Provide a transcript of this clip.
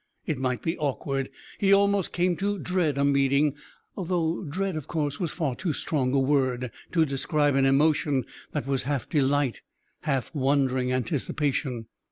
It might be awkward. He almost came to dread a meeting, though "dread," of course, was far too strong a word to describe an emotion that was half delight, half wondering anticipation.